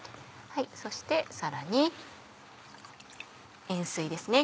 そしてさらに塩水ですね